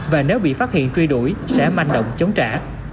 và nếu bị phát hiện truy đuổi sẽ manh động chống trả